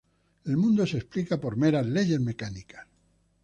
El mundo se explica por meras leyes mecánicas.